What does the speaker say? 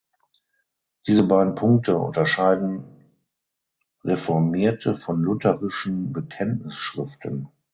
Diese beiden Punkte unterscheiden reformierte von lutherischen Bekenntnisschriften.